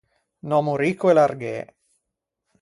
Un òmmo ricco e larghê.